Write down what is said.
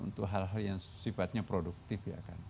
untuk hal hal yang sifatnya produktif